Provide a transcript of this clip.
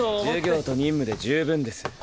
授業と任務で十分です。